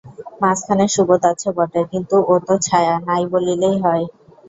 মাঝখানে সুবোধ আছে বটে, কিন্তু ও তো ছায়া, নাই বলিলেই হয়।